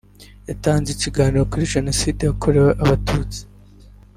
watanze ikiganiro kuri Jenoside yakorewe Abatutsi